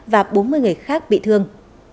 và bốn mươi người khác bị thương